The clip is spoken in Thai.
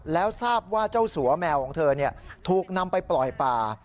แล้วทราบว่าเจ้าสัวแมวของเธอถูกนำไปปล่อยป่า